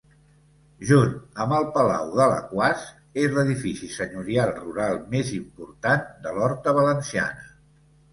Junt amb el Palau d'Alaquàs és l'edifici senyorial rural més important de l'horta valenciana.